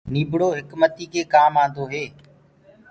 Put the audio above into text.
نيٚڀڙو هڪمتيٚ مي ڪآم دينٚدو هي